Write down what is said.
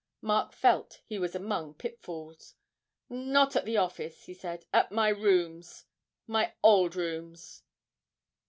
Mark felt he was among pitfalls. 'Not at the office,' he said; 'at my rooms my old rooms.'